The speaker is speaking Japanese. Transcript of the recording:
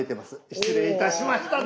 失礼いたしました。